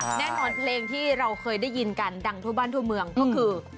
แน่นอนเพลงที่เราเคยได้ยินกันดังทั่วบ้านทั่วเมืองก็คือ